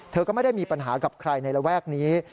ก็ไม่ได้มีปัญหากับใครในระแวกนี้